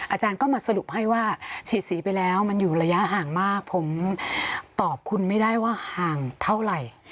อาจารย์ก็มาสรุปให้ว่าฉีดสีไปแล้วมันอยู่ระยะห่างมากผมตอบคุณไม่ได้ว่าห่างเท่าไหร่